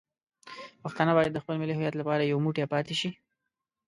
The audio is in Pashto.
پښتانه باید د خپل ملي هویت لپاره یو موټی پاتې شي.